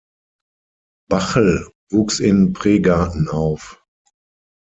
Bachl wuchs in Pregarten auf.